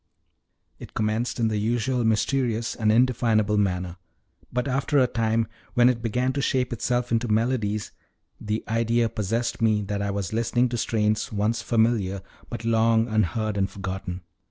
It commenced in the usual mysterious and indefinable manner; but after a time, when it began to shape itself into melodies, the idea possessed me that I was listening to strains once familiar, but long unheard and forgotten.